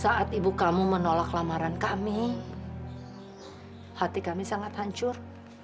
saat ibu kamu menolak lamaran kami hati kami sangat hancur